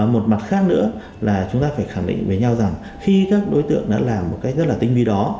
một mặt khác nữa là chúng ta phải khẳng định với nhau rằng khi các đối tượng đã làm một cách rất là tinh vi đó